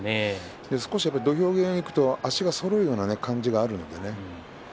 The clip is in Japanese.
少し土俵際に行くと足がそろうような感じがあるんですね。